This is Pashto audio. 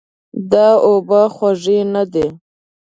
دا اوبه خوږې نه دي.